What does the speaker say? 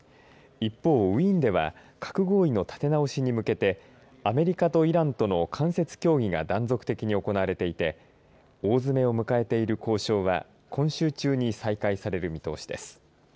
一方、ウィーンでは核合意の立て直しに向けてアメリカとイランとの間接協議が断続的に行われていて大詰めを迎えている交渉は今週中に再開される見通しです。